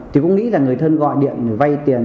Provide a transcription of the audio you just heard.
thì cũng nghĩ là người thân gọi điện vay tiền